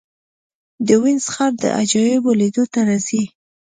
د وینز ښار د عجایبو لیدو ته راځي.